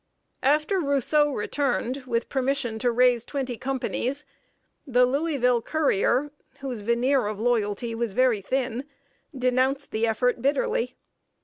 After Rousseau returned, with permission to raise twenty companies, The Louisville Courier, whose veneer of loyalty was very thin, denounced the effort bitterly.